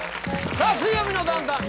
さあ「水曜日のダウンタウン」